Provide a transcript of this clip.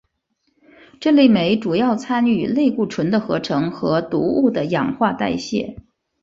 这类酶主要参与类固醇的合成和毒物的氧化代谢。